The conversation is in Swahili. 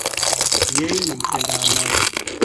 Yeye ni mpenda amani